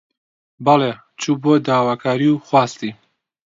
بەڵی، چوو بۆ داواکاری و خواستی